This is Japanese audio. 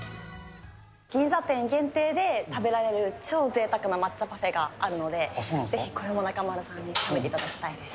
銀座店限定で食べられる超ぜいたくな抹茶パフェがあるので、ぜひこれも中丸さんに食べていただきたいです。